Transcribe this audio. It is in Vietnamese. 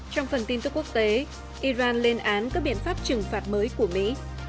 trong phần tin tức quốc tế iran lên án các biện pháp trừng phạt mới của mỹ